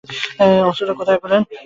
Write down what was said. অস্ত্রটা কোথায় পেলেন?